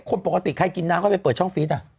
คนปกติใครกินน้ำเข้าไปเปิดช่องฟีด